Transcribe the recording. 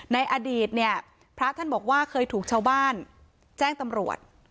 ในอดีตเนี่ยพระท่านบอกว่าเคยถูกชาวบ้านแจ้งตำรวจ